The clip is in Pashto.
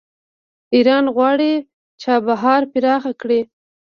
ایران غواړي چابهار پراخ کړي.